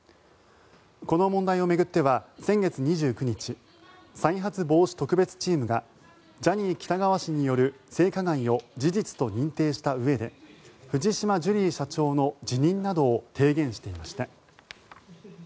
この問題を巡っては先月２９日再発防止特別チームがジャニー喜多川氏による性加害を事実と認定したうえで藤島ジュリー社長の辞任などを提言していました。